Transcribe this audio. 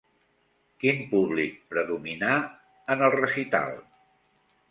Quin públic predominà en el recital?